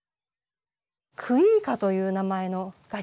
クイーカという名前の楽器です。